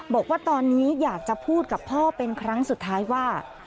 บอกว่าตอนนี้อยากจะพูดกับพ่อเป็นครั้งสุดท้ายว่า